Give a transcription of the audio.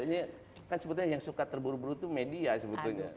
ini kan sebetulnya yang suka terburu buru itu media sebetulnya